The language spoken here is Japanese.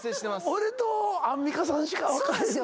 俺とアンミカさんしかそうなんですよ